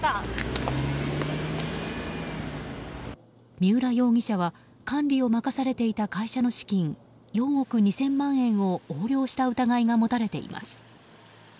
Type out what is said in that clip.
三浦容疑者は管理を任されていた会社の資金４億２０００万円を横領した疑いが持たれています。